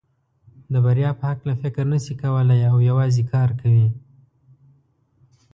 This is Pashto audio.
د بریا په هکله فکر نشي کولای او یوازې کار کوي.